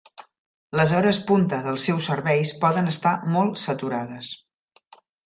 Les hores punta dels seus serveis poden estar molt saturades.